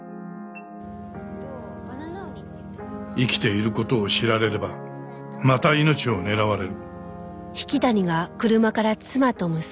生きている事を知られればまた命を狙われる。